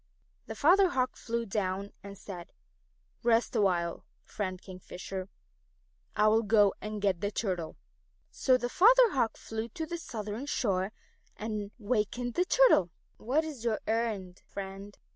The Father Hawk flew down and said, "Rest awhile, Friend Kingfisher; I will go and get the Turtle." So the Father Hawk flew to the southern shore and wakened the Turtle. "What is your errand, Friend?"